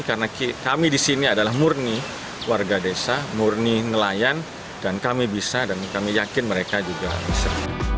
karena kami di sini adalah murni warga desa murni nelayan dan kami bisa dan kami yakin mereka juga bisa